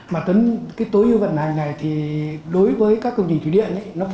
mà tấn tối ưu vận hành này thì đối với các công ty thủy điện